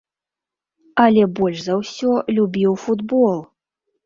Але больш за ўсё любіў футбол.